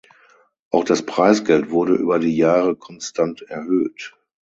Auch das Preisgeld wurde über die Jahre konstant erhöht.